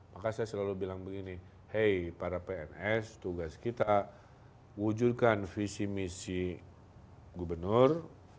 maka saya selalu bilang begini hey para pns tugas kita wujudkan visi misi gubernur